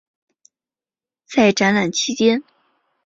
在展览期间。